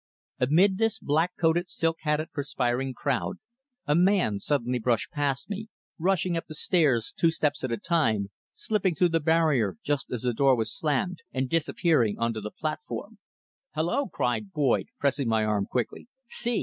Amid this black coated, silk hatted, perspiring crowd a man suddenly brushed past me, rushing up the stairs two steps at a time, slipping through the barrier just as the door was slammed, and disappearing on to the platform. "Hulloa!" cried Boyd, pressing my arm quickly. "See!